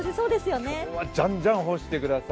今日は、じゃんじゃん干してください。